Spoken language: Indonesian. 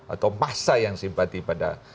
atau masa yang simpati pada